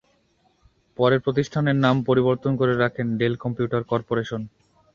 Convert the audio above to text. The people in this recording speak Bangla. পরে প্রতিষ্ঠানের নাম পরিবর্তন করে রাখেন ডেল কম্পিউটার করপোরেশন।